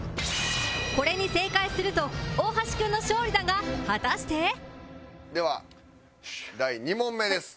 これに正解すると大橋君の勝利だが果たしてでは第２問目です。